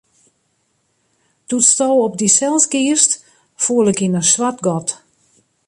Doe'tsto op dysels giest, foel ik yn in swart gat.